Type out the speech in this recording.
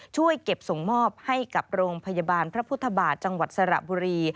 ช่วยเก็บส่งมอบให้กับโรงพยาบาลพระพุทธบาทจังหวัดสระบุรี